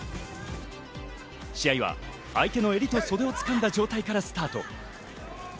試合は相手の襟と袖を掴んだ状態からスタート。